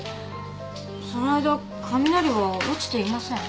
その間雷は落ちていません。